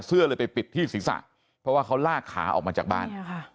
เสื้อเลยไปปิดที่ศีรษะเพราะว่าเขาลากขาออกมาจากบ้าน